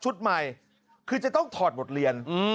ชุดใหม่คือจะต้องถอดบทเรียนอืม